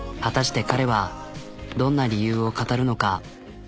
果たして彼はどんな理由を語るのか。